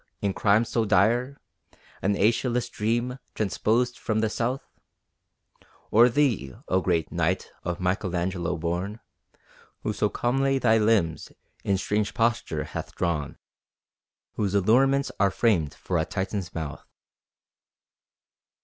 in crime so dire; An Æschylus dream transposed from the South Or thee, oh great "Night" of Michael Angelo born, Who so calmly thy limbs in strange posture hath drawn, Whose allurements are framed for a Titan's mouth.